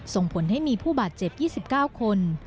ส่งผลให้มีผู้บาดเจ็บ๒๙คน